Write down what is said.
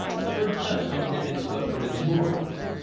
Her judgment had been swept from its moorings.